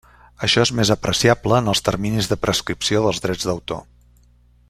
Això és més apreciable en els terminis de prescripció dels drets d'autor.